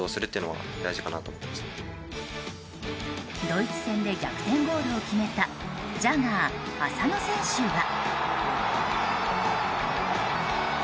ドイツ戦で逆転ゴールを決めたジャガー浅野選手は。